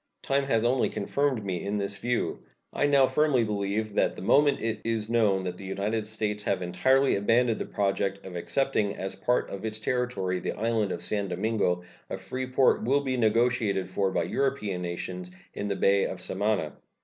Time has only confirmed me in this view. I now firmly believe that the moment it is known that the United States have entirely abandoned the project of accepting as a part of its territory the island of San Domingo a free port will be negotiated for by European nations in the Bay of Samana.